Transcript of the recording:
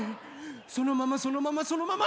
そのままそのままそのまま！